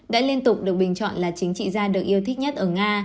đã liên tục được bình chọn là chính trị gia được yêu thích nhất ở nga